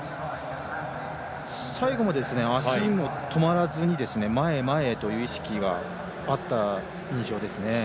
最後も足も止まらずに前、前という意識があった印象ですね。